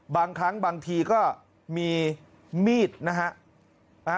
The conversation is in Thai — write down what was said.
บางครั้งบางทีก็มีมีดนะฮะ